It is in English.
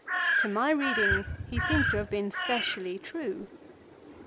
To my reading lie seems to have been specially true.